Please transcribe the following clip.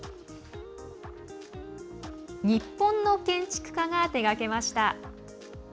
日本の建築家が手がけました。